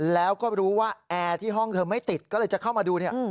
แล้วก็รู้ว่าแอร์ที่ห้องเธอไม่ติดก็เลยจะเข้ามาดูเนี่ย